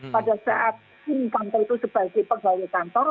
pada saat tim kantor itu sebagai pegawai kantor